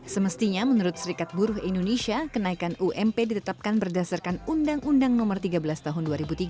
semestinya menurut serikat buruh indonesia kenaikan ump ditetapkan berdasarkan undang undang no tiga belas tahun dua ribu tiga